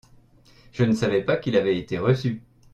Je ne savais pas qu'il avait été reçu.